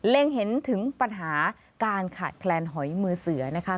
เห็นถึงปัญหาการขาดแคลนหอยมือเสือนะคะ